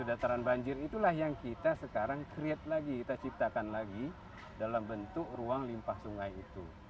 dataran banjir itulah yang kita sekarang create lagi kita ciptakan lagi dalam bentuk ruang limpah sungai itu